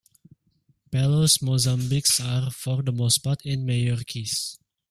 Pello's mozambiques are, for the most part, in major keys.